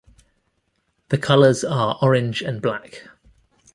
The colors are orange and black.